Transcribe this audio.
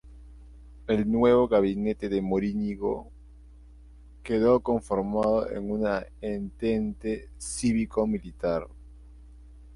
El nuevo gabinete de Morínigo quedó conformado en una entente cívico-militar.